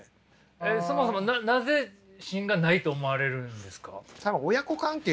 えっそもそもなぜ芯がないと思われるんですか？